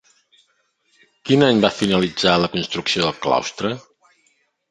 Quin any va finalitzar la construcció del claustre?